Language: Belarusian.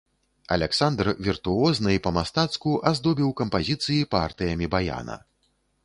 Аляксандр віртуозна і па-мастацку аздобіў кампазіцыі партыямі баяна.